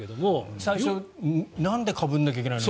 最初なんでかぶらないといけないの？